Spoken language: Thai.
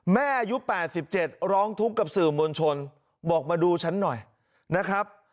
อายุ๘๗ร้องทุกข์กับสื่อมวลชนบอกมาดูฉันหน่อยนะครับ